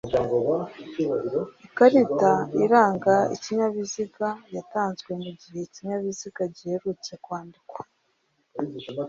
ikarita iranga ikinyabiziga yatanzwe mu gihe ikinyabiziga giherutse kwandikwa